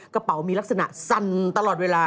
กระเป๋ามีลักษณะสั่นตลอดเวลา